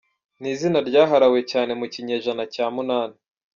Ni izina ryaharawe cyane mu kinyejana cya munani.